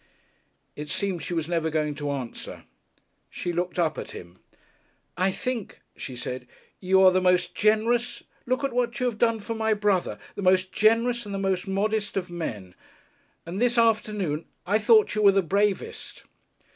It seemed she was never going to answer. She looked up at him. "I think," she said, "you are the most generous look at what you have done for my brother the most generous and the most modest of men. And this afternoon I thought you were the bravest."